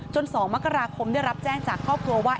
๒มกราคมได้รับแจ้งจากครอบครัวว่า